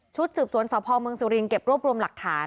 สืบสวนสพเมืองสุรินเก็บรวบรวมหลักฐาน